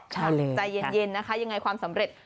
ใจเย็นนะคะยังไงความสำเร็จ